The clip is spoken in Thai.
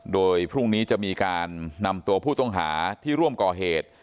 โดยพรุ่งนี้จะมีการนำตัวผู้ต้องหาที่ร่วมก่อเหตุ